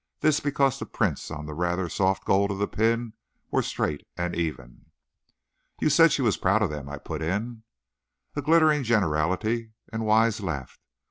This, because the prints on the rather soft gold of the pin were straight and even." "You said she was proud of them," I put in. "A glittering generality," and Wise laughed.